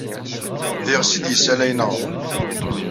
D iɣes ay d-yessalayen aɣrum.